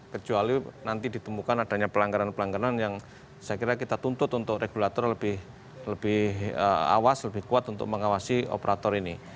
kecuali nanti ditemukan adanya pelanggaran pelanggaran yang saya kira kita tuntut untuk regulator lebih awas lebih kuat untuk mengawasi operator ini